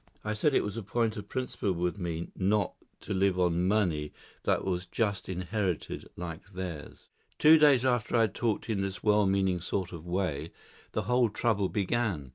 I said it was a point of principle with me not to live on money that was just inherited like theirs. Two days after I had talked in this well meaning sort of way, the whole trouble began.